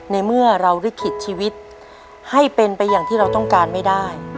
ในเมื่อเราลิขิตชีวิตให้เป็นไปอย่างที่เราต้องการไม่ได้